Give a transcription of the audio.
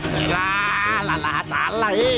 gila lah lah salah he